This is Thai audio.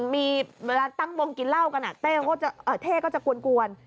มีเวลาตั้งวงกินเหล้ากันเต้ก็จะกวน